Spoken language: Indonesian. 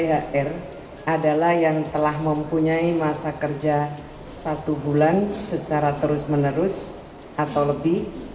ihr adalah yang telah mempunyai masa kerja satu bulan secara terus menerus atau lebih